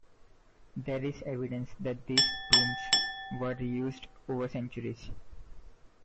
There is evidence that these tombs were reused over centuries.